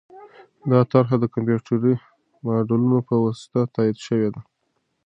دا طرحه د کمپیوټري ماډلونو په واسطه تایید شوې ده.